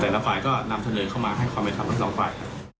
แต่ละฝ่ายก็นำเฉินเนยเข้ามาให้ความในความรับรองฝ่าย